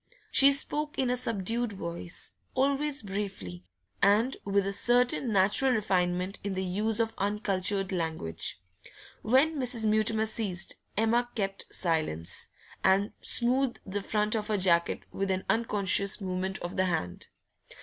She spoke in a subdued voice, always briefly, and with a certain natural refinement in the use of uncultured language. When Mrs. Mutimer ceased, Emma kept silence, and smoothed the front of her jacket with an unconscious movement of the hand.